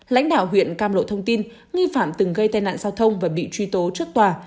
lãnh đạo huyện cam lộ thông tin nghi phạm từng gây tai nạn giao thông và bị truy tố trước tòa